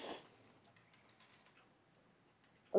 あ！